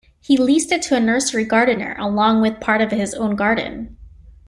He leased it to a nursery gardener along with part of his own garden.